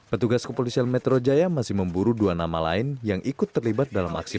petugas kepolisian metro jaya masih memburu dua nama lain yang ikut terlibat dalam aksi